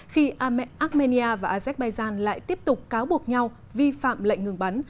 khi armenia và azerbaijan lại tiếp tục cáo buộc nhau vi phạm lệnh ngừng bắn